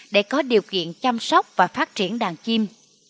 để có điều kiện chăm sóc và phát triển đàn chim